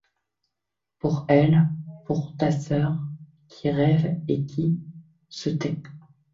Pour elle, pour ta soeur qui rêve et qui se tait !